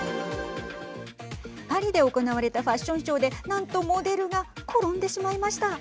パリで行われたファッションショーでなんとモデルが転んでしまいました。